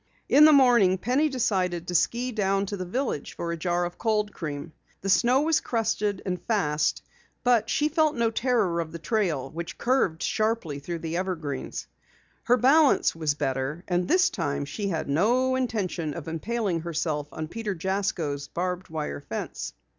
In the morning Penny decided to ski down to the village for a jar of cold cream. The snow was crusted and fast but she felt no terror of the trail which curved sharply through the evergreens. Her balance was better, and this time she had no intention of impaling herself on Peter Jasko's barbed wire fence.